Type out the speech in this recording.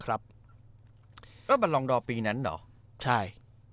อ่ะบันล่องดอดปีนั้นเหรอ